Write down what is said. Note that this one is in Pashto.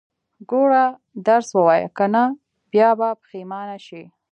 ګوره، درس ووايه، که نه بيا به پښيمانه شې.